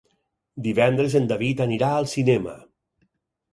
Divendres en David anirà al cinema.